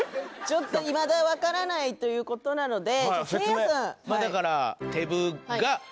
ちょっといまだ分からないとのことなので。